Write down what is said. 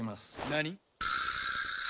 何！？」